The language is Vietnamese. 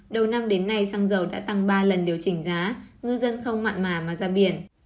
đầu năm đến nay xăng dầu đã tăng ba lần điều chỉnh giá ngư dân không mặn mà mà ra biển